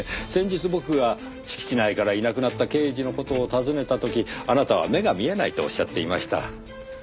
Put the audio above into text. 先日僕が敷地内からいなくなった刑事の事を尋ねた時あなたは目が見えないとおっしゃっていました。